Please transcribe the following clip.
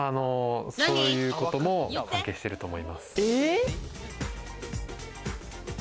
そういうことも関係していると思います。